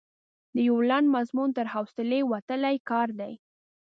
د یو لنډ مضمون تر حوصلې وتلی کار دی.